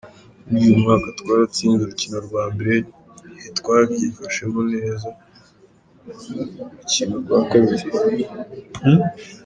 "Muri uyu mwaka twaratsinze urukino rwa mbere, ntitwavyifashemwo neza mu rukino rwa kabiri.